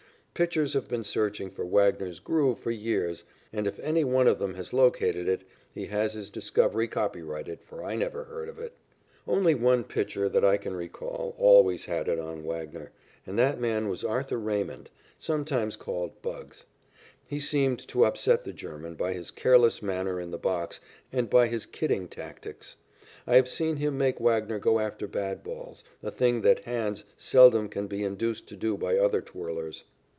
Pitchers have been searching for Wagner's "groove" for years, and, if any one of them has located it, he has his discovery copyrighted, for I never heard of it. Only one pitcher, that I can recall, always had it on Wagner, and that man was Arthur Raymond, sometimes called "Bugs." He seemed to upset the German by his careless manner in the box and by his "kidding" tactics. I have seen him make Wagner go after bad balls, a thing that "Hans" seldom can be induced to do by other twirlers.